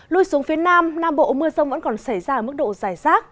lui xuống phía nam nam bộ mưa rông vẫn còn xảy ra ở mức độ dài rác